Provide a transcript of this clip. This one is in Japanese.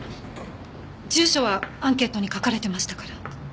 住所はアンケートに書かれてましたから。